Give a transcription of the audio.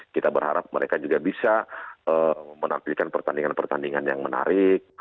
kita berharap mereka juga bisa menampilkan pertandingan pertandingan yang menarik